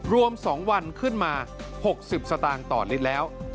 รวม๒วันขึ้นมา๖๐สตางค์ต่อลิตรแล้ว